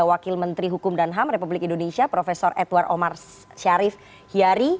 oke terima kasih